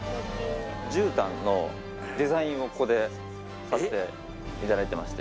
じゅうたんのデザインをここでさせていただいてまして。